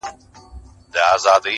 • چي قاضي ته چا درنه برخه ورکړله,